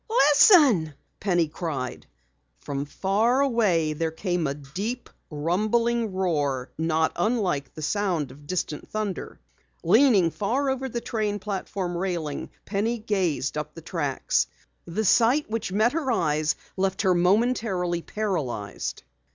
"Listen!" Penny cried. From far away there came a deep, rumbling roar not unlike the sound of distant thunder. Leaning far over the train platform railing, Penny gazed up the tracks. The sight which met her eyes left her momentarily paralyzed.